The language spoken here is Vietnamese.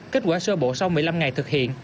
kết quả sơ bộ sau một mươi năm ngày thực hiện